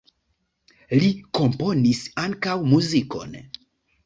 Li komponis ankaŭ muzikon.